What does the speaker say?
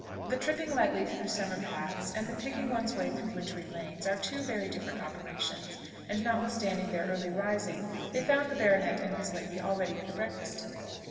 The tripping lightly through summer paths, and the picking one's way through wintry lanes, are two very different operations; and notwithstanding their early rising, they found the baronet and his lady already at the breakfast table.